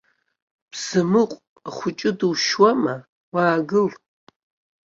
Бзамыҟә, ахәыҷы душьуама, уаагыл.